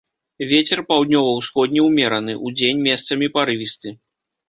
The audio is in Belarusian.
Вецер паўднёва-ўсходні ўмераны, удзень месцамі парывісты.